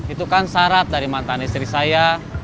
itu kan syarat dari mantan istri saya